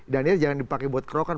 daniel jangan dipakai buat kerokan